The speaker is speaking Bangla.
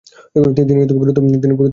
তিনি গুরুত্বপূর্ণ ভূমিকার স্বাক্ষর রাখেন।